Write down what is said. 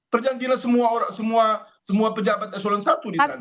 perjalanan dinas semua orang semua pejabat asuransatu di sana